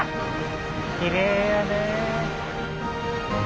きれいやねえ。